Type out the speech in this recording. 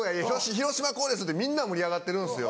「広島こうです！」ってみんな盛り上がってるんですよ。